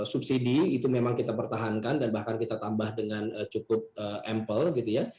subsidi itu memang kita pertahankan dan bahkan kita tambah dengan cukup ample gitu ya